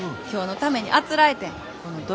今日のためにあつらえてん。